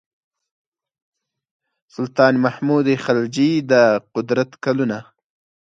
سلطان محمود خلجي د قدرت کلونه.